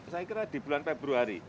saya kira di bulan februari